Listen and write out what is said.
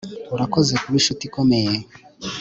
urakoze kuba inshuti ikomeye